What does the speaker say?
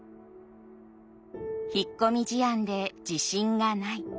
引っ込み思案で自信がない。